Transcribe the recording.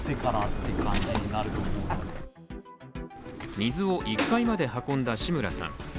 水を１階まで運んだ志村さん。